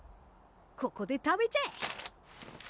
ここで食べちゃえ。